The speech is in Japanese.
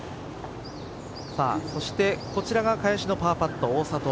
そしてこちらは返しのパーパット大里。